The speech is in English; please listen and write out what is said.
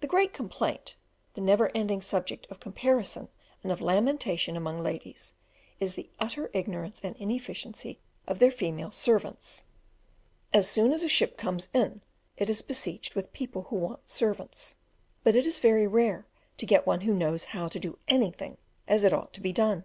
The great complaint, the never ending subject of comparison and lamentation among ladies, is the utter ignorance and inefficiency of their female servants. As soon as a ship comes in it is besieged with people who want servants, but it is very rare to get one who knows how to do anything as it ought to be done.